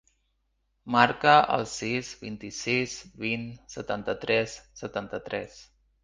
Marca el sis, vint-i-sis, vint, setanta-tres, setanta-tres.